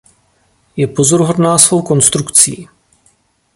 Je pozoruhodná svou konstrukcí.